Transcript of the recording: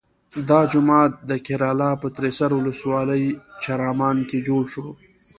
دا جومات د کیراله په تریسر ولسوالۍ چرامان کې جوړ شو.